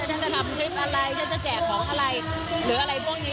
ฉันจะทำคลิปอะไรฉันจะแจกของอะไรหรืออะไรพวกนี้